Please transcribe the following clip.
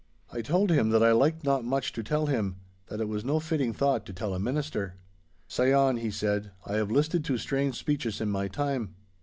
I told him that I liked not much to tell him; that it was no fitting thought to tell a minister. 'Say on,' he said. 'I have listed to strange speeches in my time.